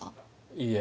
いいえ。